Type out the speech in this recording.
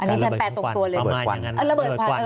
อันนี้จัดแปลตรงตัวเลยควัน